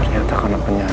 ternyata kan apanya ada